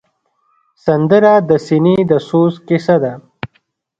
سندره د سینې د سوز کیسه ده